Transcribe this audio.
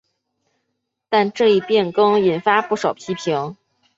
但这一变更引发不少批评。